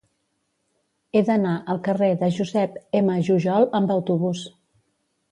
He d'anar al carrer de Josep M. Jujol amb autobús.